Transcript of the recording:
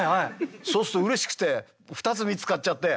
そうするとうれしくて２つ３つ買っちゃって。